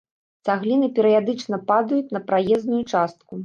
Цагліны перыядычна падаюць на праезную частку.